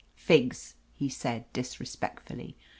"Figs!" he said disrespectfully.